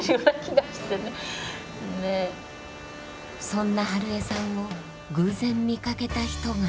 そんな春江さんを偶然見かけた人が。